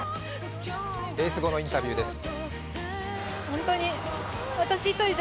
レース後のインタビューです。